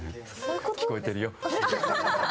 聞こえてるよ。